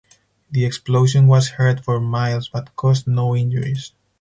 The explosion was heard for miles but caused no injuries.